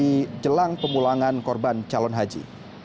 di jelang pemulangan korban calon haji